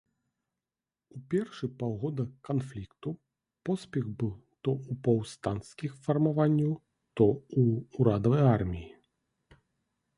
У першы паўгода канфлікту поспех быў то ў паўстанцкіх фармаванняў, то ў урадавай арміі.